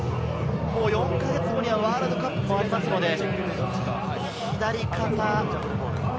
４か月後にはワールドカップがありますので、左肩。